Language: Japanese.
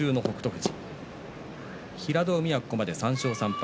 富士平戸海はここまで３勝３敗